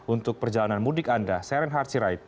untuk perjalanan mudik anda saren harsirait